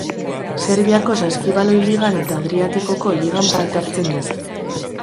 Serbiako saskibaloi ligan eta Adriatikoko ligan parte hartzen du.